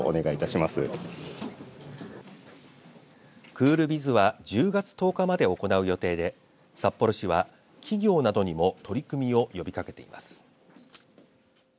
クールビズは１０月１０日まで行う予定で札幌市は企業などにも取り組みを呼びかけています。